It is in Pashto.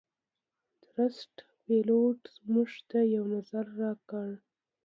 ټرسټ پیلوټ - موږ ته یو نظر راکړئ